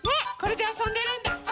これであそんでるんだ。